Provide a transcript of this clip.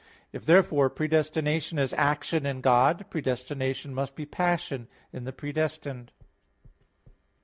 If therefore predestination is action in God, predestination must be passion in the predestined.